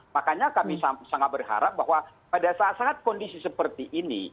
makanya kami sangat berharap bahwa pada saat saat kondisi seperti ini